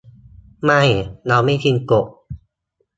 ไม่ เราไม่กินกบ